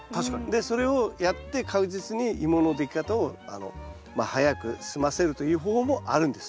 でそれをやって確実にイモのでき方を早く済ませるという方法もあるんです。